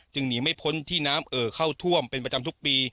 หนีไม่พ้นที่น้ำเอ่อเข้าท่วมเป็นประจำทุกปี